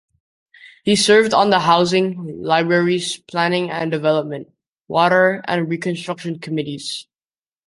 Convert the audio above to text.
He served on the Housing, Libraries, Planning and Development, Water and Reconstruction Committees.